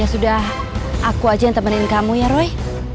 ya sudah aku aja yang temenin kamu ya roy